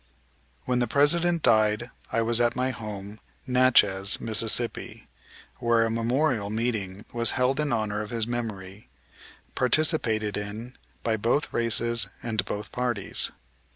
When the President died I was at my home, Natchez, Mississippi, where a memorial meeting was held in honor of his memory, participated in by both races and both parties.